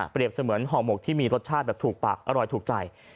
เสมือนห่อหมกที่มีรสชาติแบบถูกปากอร่อยถูกใจ